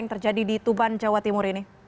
tadi di tuban jawa timur ini